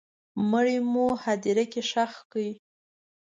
مړی مو هدیره کي ښخ کړی